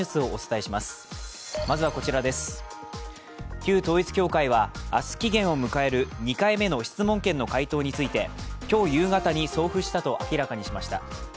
旧統一教会は明日期限を迎える２回目の質問権の回答について今日夕方に送付したと明らかにしました。